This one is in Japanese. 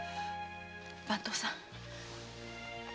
番頭さん。